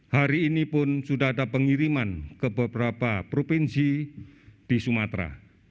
hari ini pun sudah ada pengiriman ke beberapa provinsi di sumatera